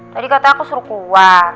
tadi katanya aku suruh keluar